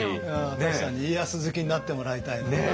舘さんに家康好きになってもらいたいね。